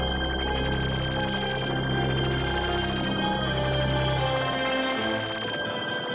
kamu harus membalaskan dendam